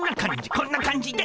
こんな感じで。